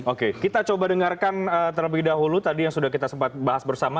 oke kita coba dengarkan terlebih dahulu tadi yang sudah kita sempat bahas bersama